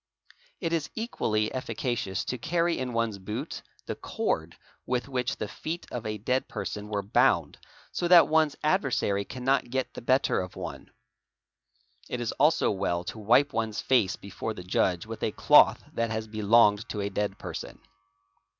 It is equally efficacious to carry in one's boot the * cord with which the feet of a.déad person were bound so that one's — adversary cannot get the better of one; it is also well to wipe one's face ~ before the Judge with a cloth that has belonged to a dead person.